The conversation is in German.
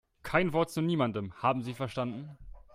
Kein Wort zu niemandem, haben Sie verstanden?